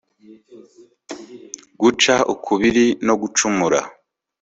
guca ukubiri no gucumura